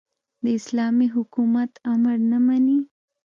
د اسلامي حکومت امر نه مني.